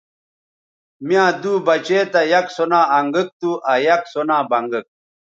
می یاں دُو بچے تھا یک سو نا انگک تھو آ یک سو نا بنگک تھو